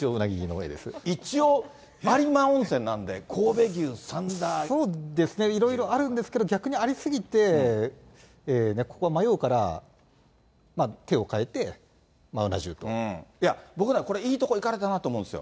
一応、有馬温泉なんで、そうですね、いろいろあるんですけど、逆にありすぎて、ここは迷うから、手を変えて、うな重いや、僕ね、これ、いいところいかれたなと思うんですよ。